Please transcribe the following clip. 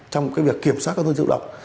trong việc kiểm soát các dịch vụ độc